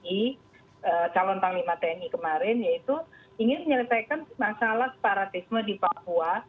di calon panglima tni kemarin yaitu ingin menyelesaikan masalah separatisme di papua